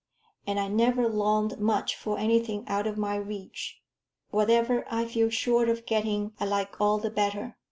And I never longed much for anything out of my reach. Whatever I feel sure of getting I like all the better.